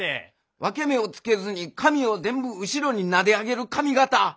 分け目をつけずに髪を全部後ろになで上げる髪形。